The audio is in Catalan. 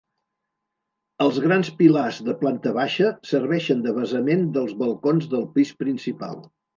Els grans pilars de planta baixa serveixen de basament dels balcons del pis principal.